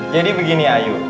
jadi begini ayu